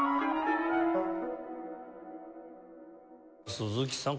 鈴木さん